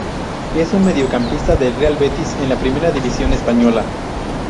Es un mediocampista del Real Betis en la primera división española.